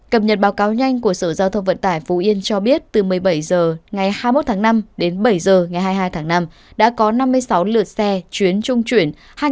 cập nhật báo cáo nhanh của sở giao thông vận tải phú yên cho biết từ một mươi bảy h ngày hai mươi một tháng năm đến bảy h ngày hai mươi hai tháng năm đã có năm mươi sáu lượt xe chuyến trung chuyển